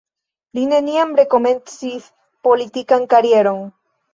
Li neniam rekomencis politikan karieron.